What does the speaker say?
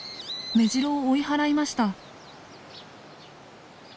メジロを追い払いました。